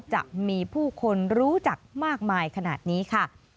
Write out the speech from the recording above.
จะมีผู้คนรู้จักมากมายขนาดนี้ค่ะ